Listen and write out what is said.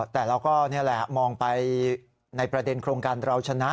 แต่เราก็นี่แหละมองไปในประเด็นโครงการเราชนะ